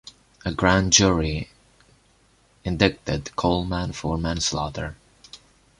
A grand jury indicted Coleman for manslaughter.